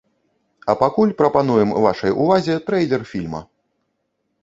А пакуль прапануем вашай увазе трэйлер фільма.